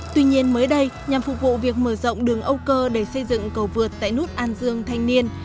tuy nhiên mới đây nhằm phục vụ việc mở rộng đường âu cơ để xây dựng cầu vượt tại nút an dương thanh niên